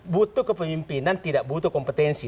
butuh kepemimpinan tidak butuh kompetensi